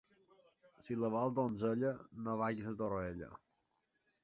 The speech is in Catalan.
Si la vols donzella, no vagis a Torroella.